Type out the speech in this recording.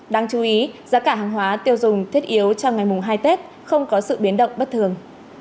đáng chú ý giá cả hàng hóa tiêu dùng thiết yếu trong ngày mùng hai tết không có sự biến động bất thường